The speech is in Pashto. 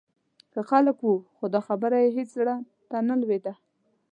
ښه خلک و، خو دا خبره یې هېڅ زړه ته نه لوېده.